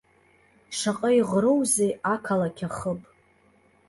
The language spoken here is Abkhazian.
Шаҟа иӷроузеи ақалақь ахыб!